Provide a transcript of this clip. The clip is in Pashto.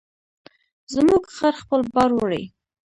زموږ خر خپل بار وړي.